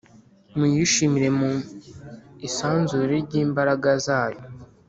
Muyishimire mu isanzure ry’ imbaraga zayo